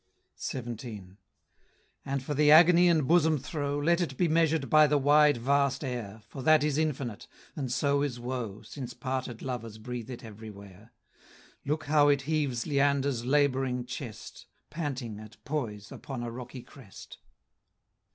XVII. And for the agony and bosom throe, Let it be measured by the wide vast air, For that is infinite, and so is woe, Since parted lovers breathe it everywhere. Look how it heaves Leander's laboring chest, Panting, at poise, upon a rocky crest!